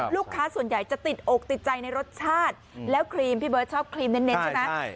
ลูกค้าส่วนใหญ่จะติดอกติดใจในรสชาติแล้วครีมพี่เบิร์ตชอบครีมเน้นใช่ไหม